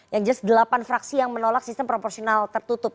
yang jelas delapan fraksi yang menolak sistem proporsional tertutup